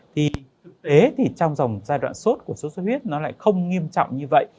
thì thực tế trong giai đoạn xuất của xuất huyết nó lại không nghiêm trọng như vậy